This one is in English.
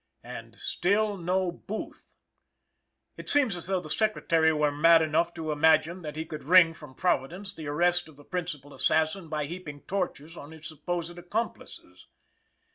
And still no Booth! It seems as though the Secretary were mad enough to imagine that he could wring from Providence the arrest of the principal assassin by heaping tortures on his supposed accomplices.